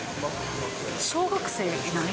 小学生いない？